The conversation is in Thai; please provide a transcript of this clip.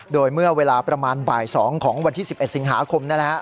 โดยเมื่อเวลาประมาณบ่าย๒ของวันที่๑๑สิงหาคม